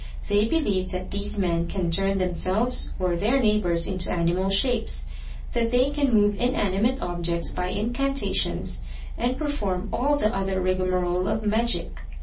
They believe that these men can turn themselves or their neighbors into animal shapes, that they can move inanimate objects by incantations and perform all the other rigamarole of magic.